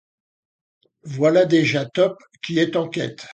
Voilà déjà Top qui est en quête.